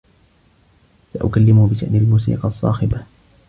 سأكلّمه بشأن الموسيقى الصّاخبة.